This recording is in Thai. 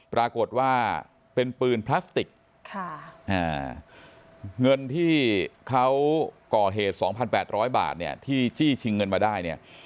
ปรากฏว่าเป็นปืนพลาสติกเงินที่เขาก่อเหตุ๒๘๐๐บาทเนี่ยที่จี้ชิงเงินมาได้เนี่ย